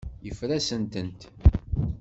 Yeffer-asent-tent.